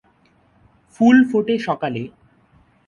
ফুল ফোটে সকালে।